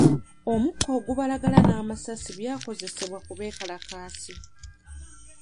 Omukka ogubalagala n'amasasi byakozesebwa ku beekalakaasi.